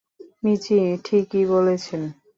মিচি ঠিকই বলেছেল।